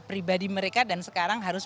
pribadi mereka dan sekarang harus